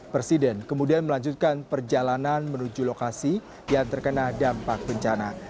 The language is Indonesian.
presiden kemudian melanjutkan perjalanan menuju lokasi yang terkena dampak bencana